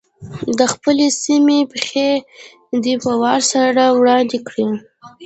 د خپلې سیمې پېښې دې په وار سره وړاندي کړي.